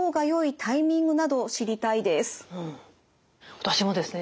私もですね